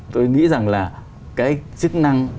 tôi nghĩ rằng là cái chức năng